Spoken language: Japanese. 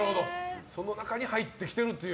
その中に入ってきてるという。